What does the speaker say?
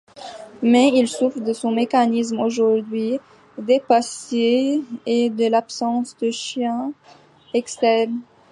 Mais il souffre de son mécanisme aujourd'hui dépassé et de l'absence de chien externe.